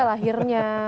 ya berarti ya